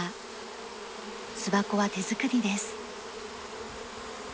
巣箱は手作りです。